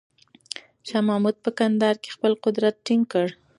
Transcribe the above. شاه محمود په کندهار کې خپل قدرت ټینګ کړ.